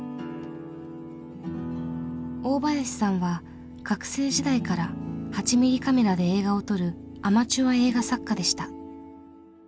大林さんは学生時代から８ミリカメラで映画を撮るアマチュア映画作家でした。